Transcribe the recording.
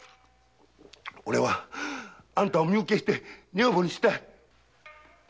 俺はあんたを身受けして女房にしたい！